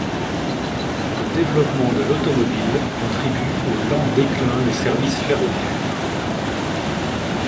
Le développement de l'automobile contribue au lent déclin des services ferroviaires.